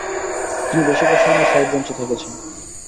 তিনি বেশিরভাগ সময়ে সাইড বেঞ্চে থেকেছেন।